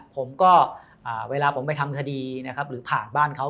ผมก็เวลาผมไปทำคดีนะครับหรือผ่านบ้านเขา